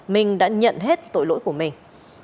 minh đã nhận hết tội lỗi của mình